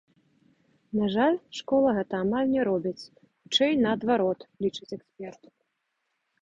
На жаль, школа гэта амаль не робіць, хутчэй, наадварот, лічыць эксперт.